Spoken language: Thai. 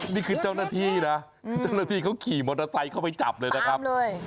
นี่คือเจ้าหน้าที่นะคือเจ้าหน้าที่เขาขี่มอเตอร์ไซค์เข้าไปจับเลยนะครับ